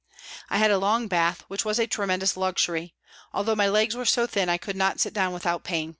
I had a long bath, which was a tremendous luxury, although my legs were so thin I could not sit down without pain.